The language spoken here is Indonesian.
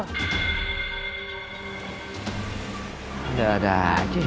udah ada aja ya